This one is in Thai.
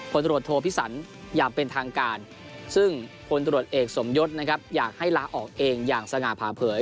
ตรวจโทพิสันอย่างเป็นทางการซึ่งพลตรวจเอกสมยศนะครับอยากให้ลาออกเองอย่างสง่าผ่าเผย